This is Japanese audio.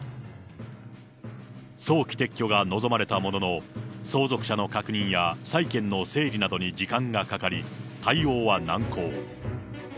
早期撤去が望まれたものの、相続者の確認や債権の整理などに時間がかかり、対応は難航。